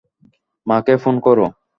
মাকে ফোন করো।